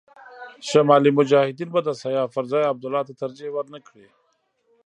شمالي مجاهدین به د سیاف پر ځای عبدالله ته ترجېح ور نه کړي.